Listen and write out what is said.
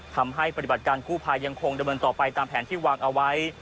ปฏิบัติการกู้ภัยยังคงดำเนินต่อไปตามแผนที่วางเอาไว้